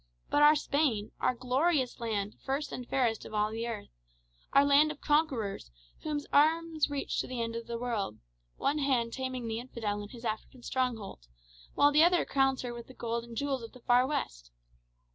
But our Spain! our glorious land, first and fairest of all the earth! our land of conquerors, whose arms reach to the ends of the world one hand taming the infidel in his African stronghold, while the other crowns her with the gold and jewels of the far West!